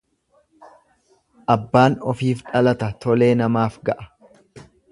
Abbaan ofiif dhalata tolee namaaf ga'a.